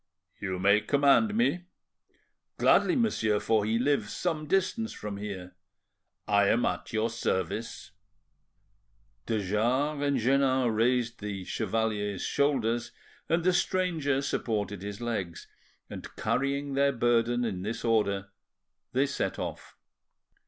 "You may command me." "Gladly, monsieur; for he lives some distance from here." "I am at your service." De Jars and Jeannin raised the chevalier's shoulders, and the stranger supported his legs, and carrying their burden in this order, they set off.